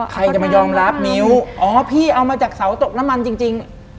ใครจะมายอมรับมิ้วอ๋อพี่เอามาจากเสาตกน้ำมันจริง